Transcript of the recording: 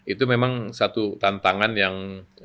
itu memang satu tantangan yang